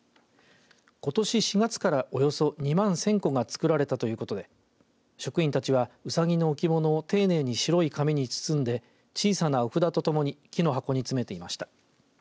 ことし４月からおよそ２万１０００個が作られたということで職員たちはうさぎの置物を丁寧に白い紙に包んで小さなお札とともに木の箱に詰めていました。